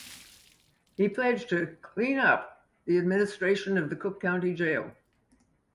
He pledged to "clean up" the administration of the Cook County Jail.